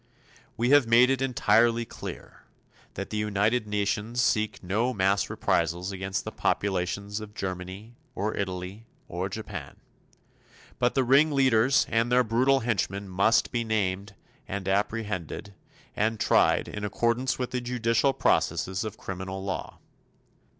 We have made it entirely clear that the United Nations seek no mass reprisals against the populations of Germany or Italy or Japan. But the ring leaders and their brutal henchmen must be named, and apprehended, and tried in accordance with the judicial processes of criminal law.